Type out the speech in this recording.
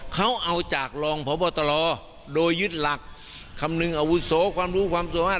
เขาเอาจากรองพบตรโดยยึดหลักคำนึงอาวุโสความรู้ความสามารถ